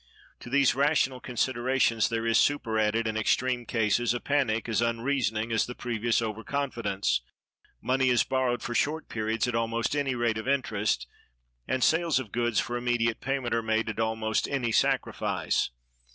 To these rational considerations there is superadded, in extreme cases, a panic as unreasoning as the previous over confidence; money is borrowed for short periods at almost any rate of interest, and sales of goods for immediate payment are made at almost any sacrifice.